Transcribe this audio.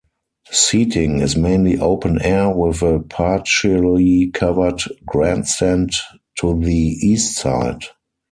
Seating is mainly open air with a partially covered grandstand to the east side.